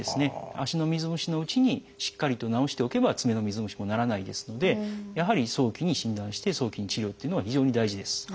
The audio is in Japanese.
足の水虫のうちにしっかりと治しておけば爪の水虫もならないですのでやはり早期に診断して早期に治療っていうのが非常に大事です。